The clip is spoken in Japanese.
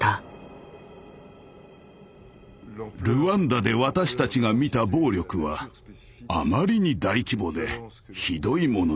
ルワンダで私たちが見た暴力はあまりに大規模でひどいものでした。